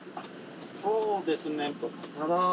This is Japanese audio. そうですね。